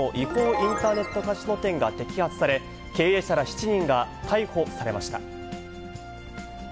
インターネットカジノ店が摘発され、経営者ら７人が逮捕されました。